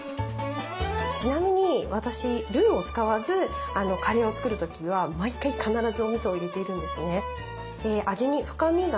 ちなみに私ルーを使わずカレーを作る時は毎回必ずおみそを入れているんですね。